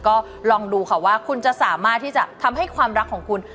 ก็ลองดูค่ะว่าคุณจะสามารถที่จะทำให้ความรักของคุณ